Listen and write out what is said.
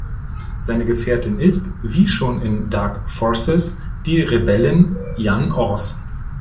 Seine Gefährtin ist, wie schon in "Dark Forces", die Rebellin Jan Ors.